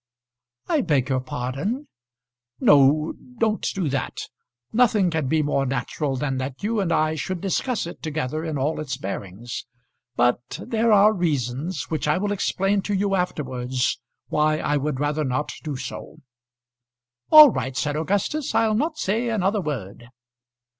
"I beg your pardon." "No; don't do that. Nothing can be more natural than that you and I should discuss it together in all its bearings. But there are reasons, which I will explain to you afterwards, why I would rather not do so." "All right," said Augustus. "I'll not say another word."